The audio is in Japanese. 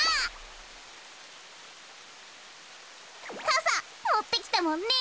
かさもってきたもんね。